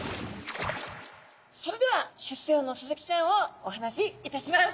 それでは出世魚のスズキちゃんをお話しいたします。